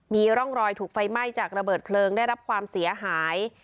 มีร่องรอยถูกไฟไหม้จากระเบิดเพลิงได้รับความเสียหาย